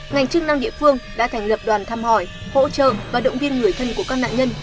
ngành chức năng địa phương đã thành lập đoàn thăm hỏi hỗ trợ và động viên người thân của các nạn nhân